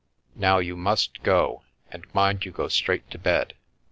Now you must go, and mind you go straight to bed.